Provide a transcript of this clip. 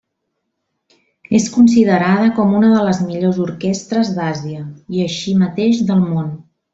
És considerada com una de les millors orquestres d'Àsia i així mateix del món.